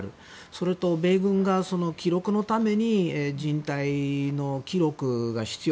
それと米軍が記録のために人体の記録が必要。